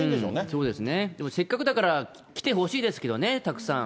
そうですね、せっかくだから、来てほしいですけどね、たくさん。